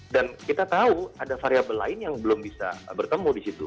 dan kita tahu ada variable lain yang belum bisa bertemu di situ